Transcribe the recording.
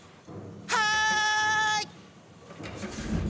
はい！